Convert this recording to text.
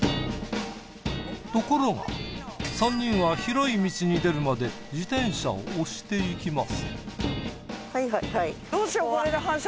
ところが３人は広い道に出るまで自転車を押していきます。